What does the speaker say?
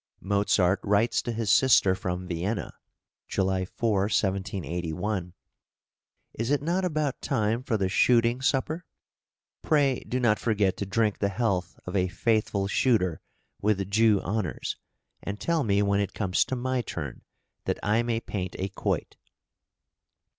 Mozart writes to his sister from Vienna (July 4, 1781) : "Is it not about time for the shooting supper? Pray do not forget to drink the health of a faithful shooter with due honours, and tell me when it comes to my turn, that I may paint a quoit."